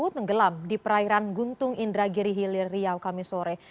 tenggelam di perairan guntung indragiri hilir riau kamisore